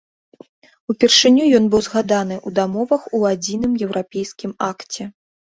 Упершыню ён быў згаданы ў дамовах у адзіным еўрапейскім акце.